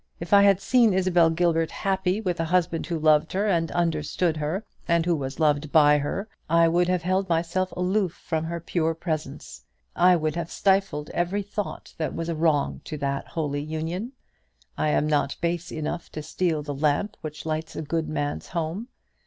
If I had seen Isabel Gilbert happy with a husband who loved her, and understood her, and was loved by her, I would have held myself aloof from her pure presence; I would have stifled every thought that was a wrong to that holy union. I am not base enough to steal the lamp which lights a good man's home.